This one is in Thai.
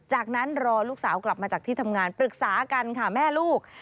จากนั้นรอลูกสาวกลับมาจากที่ทำงานปรึกษากันค่ะแม่ลูก